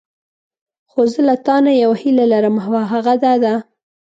خو زه له تانه یوه هیله لرم او هغه دا ده.